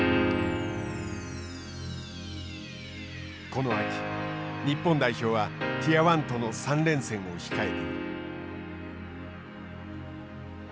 この秋、日本代表はティア１との３連戦を控えている。